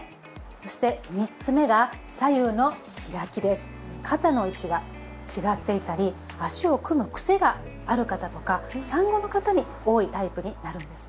そして肩の位置が違っていたり足を組むクセがある方とか産後の方に多いタイプになるんですね。